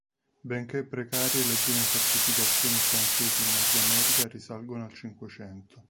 Benché precarie le prime fortificazioni francesi in Nordamerica risalgono al Cinquecento.